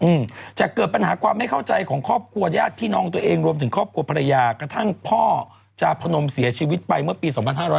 อืมจะเกิดปัญหาความไม่เข้าใจของครอบครัวญาติพี่น้องตัวเองรวมถึงครอบครัวภรรยากระทั่งพ่อจาพนมเสียชีวิตไปเมื่อปีสองพันห้าร้อย